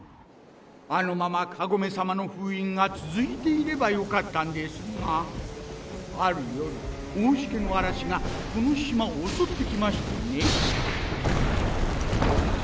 あのままかごめさまの封印が続いていれば良かったんですがある夜大時化の嵐がこの島を襲ってきましてね